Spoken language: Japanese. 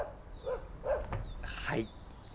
はい。